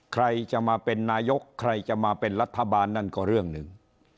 ใครจะมาเป็นนายกใครจะมาเป็นรัฐบาลนั่นก็เรื่องหนึ่ง